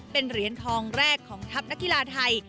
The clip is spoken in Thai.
เป็นเหรียญทองแรกของทัพนักกีฬาไทย